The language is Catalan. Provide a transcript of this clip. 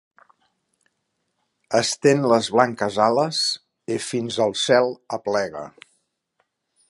Estén les blanques ales i fins al cel aplega.